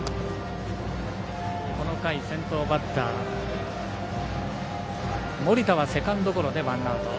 この回、先頭バッター、森田はセカンドゴロでワンアウト。